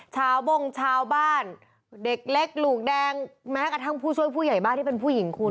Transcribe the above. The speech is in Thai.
บ้งชาวบ้านเด็กเล็กลูกแดงแม้กระทั่งผู้ช่วยผู้ใหญ่บ้านที่เป็นผู้หญิงคุณ